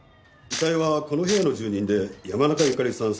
遺体はこの部屋の住人で山中由佳里さん